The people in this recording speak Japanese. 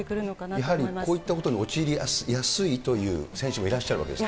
やはりこういったことに陥りやすいという選手もいらっしゃるわけですか。